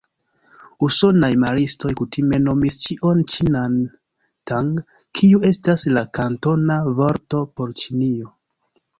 Usonaj maristoj kutime nomis ĉion ĉinan "Tang", kiu estas la kantona vorto por Ĉinio.